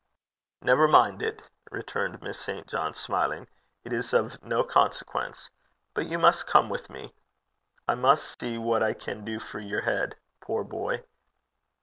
'Never mind it,' returned Miss St. John, smiling. 'It is of no consequence. But you must come with me. I must see what I can do for your head. Poor boy!'